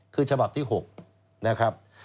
คือฉบับที่๖นะครับ